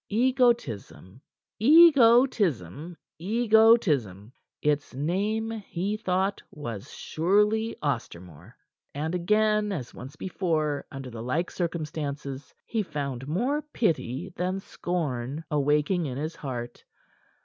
Egotism, egotism, egotism! Its name, he thought, was surely Ostermore. And again, as once before, under the like circumstances, he found more pity than scorn awaking in his heart.